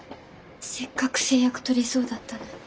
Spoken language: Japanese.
せっかく成約取れそうだったのに。